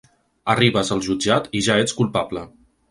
Arribes al jutjat i ja ets culpable.